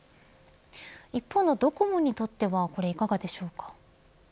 一方のドコモにとってはこれ、いかがでしょうか。